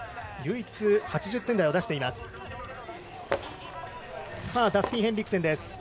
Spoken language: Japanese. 唯一８０点台を出しています。